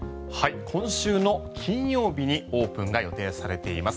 今週の金曜日にオープンが予定されています